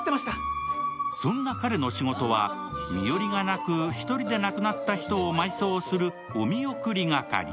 そんな彼の仕事は、身寄りがなく１人で亡くなった人を埋葬するおみおくり係。